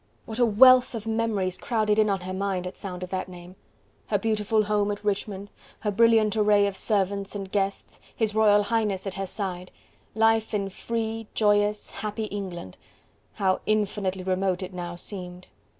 What a wealth of memories crowded in on her mind at sound of that name! Her beautiful home at Richmond, her brilliant array of servants and guests, His Royal Highness at her side! life in free, joyous happy England how infinitely remote it now seemed.